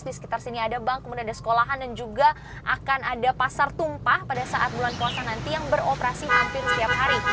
di sekitar sini ada bank kemudian ada sekolahan dan juga akan ada pasar tumpah pada saat bulan puasa nanti yang beroperasi hampir setiap hari